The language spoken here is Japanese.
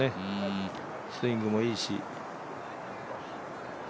スイングもいいし。